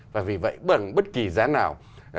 và vì vậy bằng bất kỳ giá nào